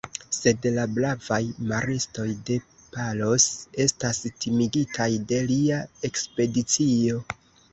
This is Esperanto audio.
Sed la bravaj maristoj de Palos estas timigitaj de lia ekspedicio.